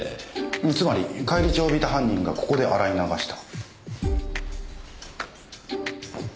つまり返り血を浴びた犯人がここで洗い流した。